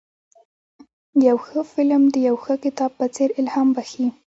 یو ښه فلم د یو ښه کتاب په څېر الهام بخښي.